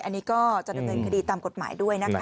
อันนี้ก็จะดำเนินคดีตามกฎหมายด้วยนะคะ